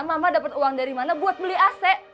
mama dapat uang dari mana buat beli ac